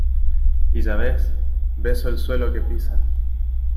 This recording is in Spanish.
y ya ves, beso el suelo que pisa.